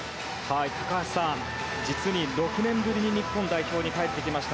高橋さん、実に６年ぶりに日本代表に帰ってきました